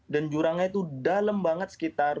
dan jurangnya itu dalam banget sekitar